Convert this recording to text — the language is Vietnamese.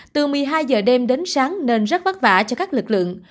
từ một mươi hai giờ đêm đến sáng nên rất vất vả cho các lực lượng